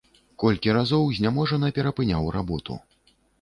Колькі разоў зняможана перапыняў работу.